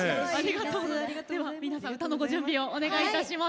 では皆さん歌のご準備をお願いいたします。